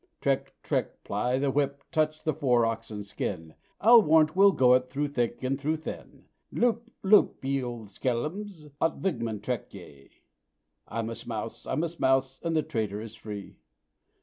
'Trek,' 'trek,' ply the whip, touch the fore oxen's skin, I'll warrant we'll 'go it' through thick and through thin 'Loop! loop ye oud skellums! ot Vigmaan trek jy.' I'm a Smouse, I'm a Smouse, and the trader is free!